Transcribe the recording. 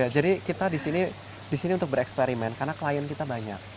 jadi kita disini untuk bereksperimen karena klien kita banyak